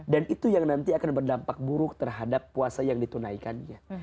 dan itu yang nanti akan berdampak buruk terhadap puasa yang ditunaikannya